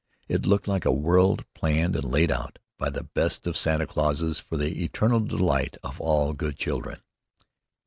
It looked like a world planned and laid out by the best of Santa Clauses for the eternal delight of all good children.